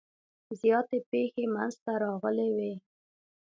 زیاتې پیښې منځته راغلي وي.